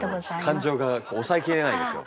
感情が抑えきれないんですよ。